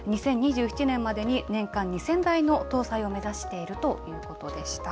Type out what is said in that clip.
２０２７年までに、年間２０００台の搭載を目指しているということでした。